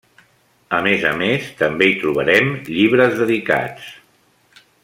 A més a més també hi trobarem llibres dedicats.